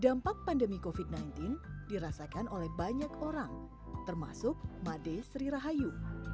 dampak pandemi covid sembilan belas dirasakan oleh banyak orang termasuk made sri rahayu